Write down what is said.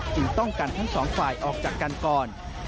ต้องกันทั้งสองฝ่ายออกจากกันก่อน